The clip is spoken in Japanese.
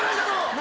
何？